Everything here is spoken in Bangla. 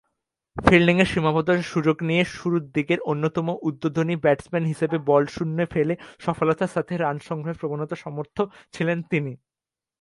ফিল্ডিংয়ের সীমাবদ্ধতার সুযোগ নিয়ে শুরুরদিকের অন্যতম উদ্বোধনী ব্যাটসম্যান হিসেবে বল শূন্যে ফেলে সফলতার সাথে রান সংগ্রহের প্রবণতায় সমর্থ ছিলেন তিনি।